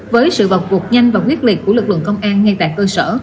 với sự bọc cuộc nhanh và quyết liệt của lực lượng công an ngay tại cơ sở